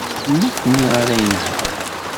D nekkni ara inehṛen.